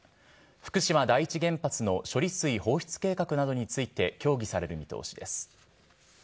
福島第一原発の処理水放出計画などについて協議される見通しです。